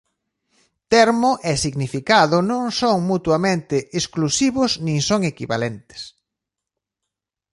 Termo e significado non son mutuamente exclusivos nin son equivalentes.